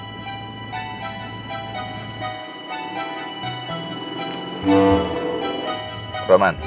sss tumben banget sopan